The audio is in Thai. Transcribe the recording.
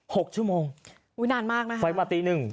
หกชั่วโมงไฟมาตีหนึ่ง